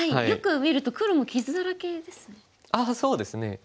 よく見ると黒も傷だらけですね。